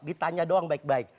ditanya doang baik baik